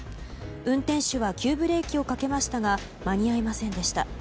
運転手は急ブレーキをかけましたが間に合いませんでした。